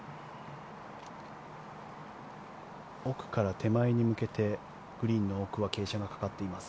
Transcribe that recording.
奥から手前に向けてグリーンの奥は傾斜がかかっています。